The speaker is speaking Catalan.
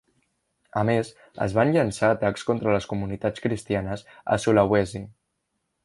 A més, es van llançar atacs contra les comunitats cristianes a Sulawesi.